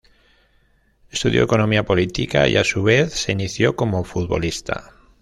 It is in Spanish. Estudió Economía Política y a su vez se inició como futbolista.